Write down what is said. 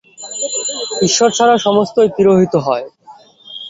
ঈশ্বর ছাড়া সমস্তই তিরোহিত হয়।